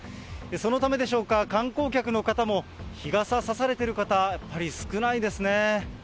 そのためでしょうか、観光客の方も、日傘、差されている方、やはり少ないですね。